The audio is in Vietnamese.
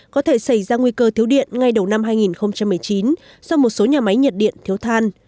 có thể xảy ra nguy cơ thiếu điện ngay đầu năm hai nghìn một mươi chín do một số nhà máy nhiệt điện thiếu than